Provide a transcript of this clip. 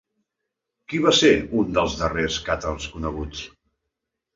Qui va ser un dels darrers càtars coneguts?